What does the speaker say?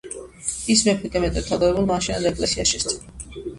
ის მეფე დემეტრე თავდადებულმა ააშენა და ეკლესიას შესწირა.